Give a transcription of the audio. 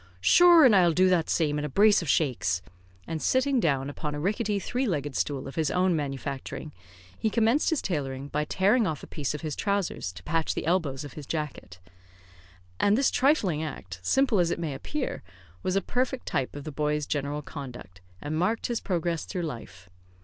"Shure, an' I'll do that same in a brace of shakes," and sitting down upon a ricketty three legged stool of his own manufacturing, he commenced his tailoring by tearing off a piece of his trousers to patch the elbows of his jacket. And this trifling act, simple as it may appear, was a perfect type of the boy's general conduct, and marked his progress through life.